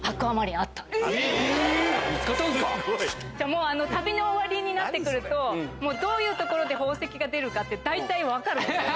もう旅の終わりになって来るとどういう所で宝石が出るかって大体分かるんですよ。